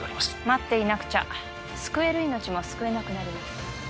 待っていなくちゃ救える命も救えなくなります